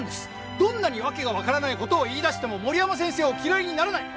どんなに訳がわからない事を言い出しても森山先生を嫌いにならない！